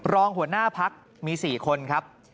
รองหัวหน้าพักมี๔คนครับ